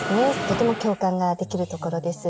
とても共感ができるところです。